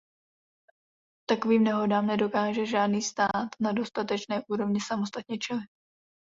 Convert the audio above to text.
Takovým nehodám nedokáže žádný stát na dostatečné úrovni samostatně čelit.